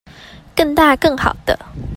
更大更好的